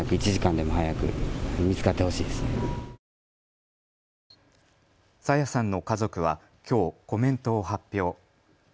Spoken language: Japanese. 朝芽さんの家族はきょうコメントを発表。